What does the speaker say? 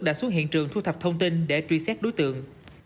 đã xuống hiện trường thu thập thông tin để truy xét đối tượng